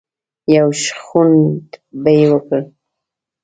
يو شخوند به يې وکړ.